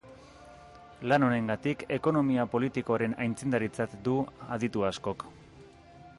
Lan honengatik ekonomia politikoaren aitzindaritzat du aditu askok.